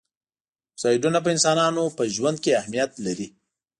اکسایډونه په انسانانو په ژوند کې اهمیت لري.